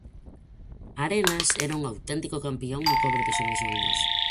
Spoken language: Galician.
Arenas era un auténtico campión no cobro de sobresoldos.